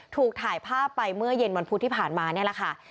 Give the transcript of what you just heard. ถูกถ่ายภาพไปเมื่อเย็นวันพุธที่ผ่านมานี่แหละค่ะ